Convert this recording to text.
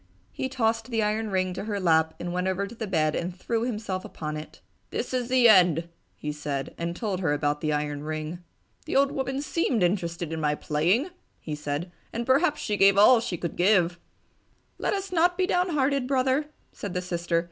He tossed the iron ring to her lap and went over to the bed and threw himself upon it. "This is the end!" he said, and told her about the iron ring. "The old woman seemed interested in my playing!" he said, "And perhaps she gave all she could give!" "Let us not be downhearted, Brother!" said the sister.